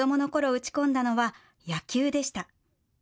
打ち込んだのは野球でした。